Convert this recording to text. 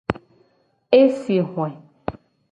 E si hoe.